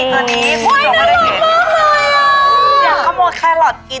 อยากข็งโม้แครอทกิน